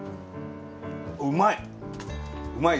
うまい！